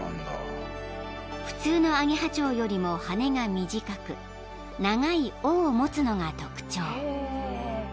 ［普通のアゲハチョウよりも羽が短く長い尾を持つのが特徴］